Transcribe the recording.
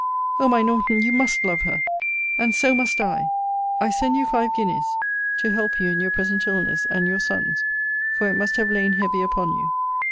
O my Norton! you must love her! And so must I! I send you five guineas, to help you in your present illness, and your son's; for it must have lain heavy upon you.